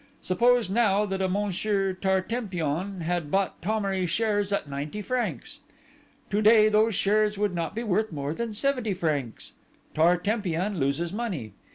Suppose now that a Monsieur Tartempion had bought Thomery shares at ninety francs. To day these shares would not be worth more than seventy francs: Tartempion loses money.